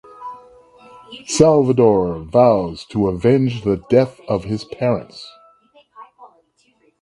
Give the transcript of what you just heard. Salvador vows to avenge the death of his parents.